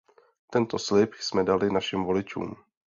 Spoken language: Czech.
Tento slib jsme dali našim voličům.